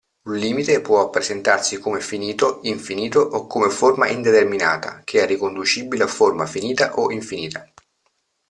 Un limite può presentarsi come finito, infinito o come forma indeterminata, che è riconducibile a forma finita o infinita.